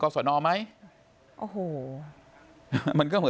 ข้าไม่สาวครับ